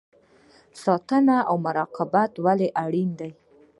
ساتنه او مراقبت ولې اړین دی؟